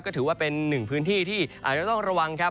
ก็ถือว่าเป็นหนึ่งพื้นที่ที่อาจจะต้องระวังครับ